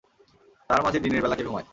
তারমাঝে দিনের বেলা কে ঘুমায়?